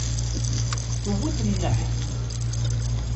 Tewwet nneḥ.